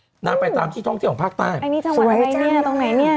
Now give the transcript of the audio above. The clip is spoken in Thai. ปูนำไปตามฉี่ท่องเที่ยงของภาคใต้ไอ้นี้ต้องไหนเนี้ยต้องไหนเนี้ย